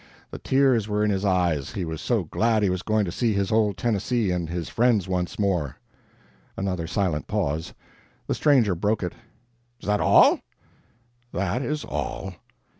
The tears were in his eyes, he was so glad he was going to see his old Tennessee and his friends once more." Another silent pause. The stranger broke it: "Is that all?" "That is all."